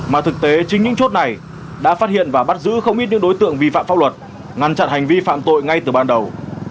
mà thực tế chính những chốt này đã phát hiện và bắt giữ không ít những đối tượng vi phạm pháp luật ngăn chặn hành vi phạm tội ngay từ ban đầu